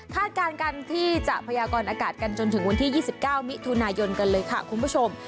การกันที่จะพยากรอากาศกันจนถึงวันที่๒๙มิถุนายนกันเลยค่ะคุณผู้ชม